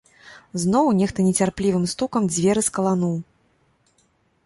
Зноў нехта нецярплівым стукам дзверы скалануў.